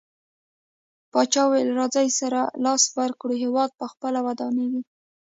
پاچاه وويل: راځٸ سره لاس ورکړو هيواد په خپله ودانيږي.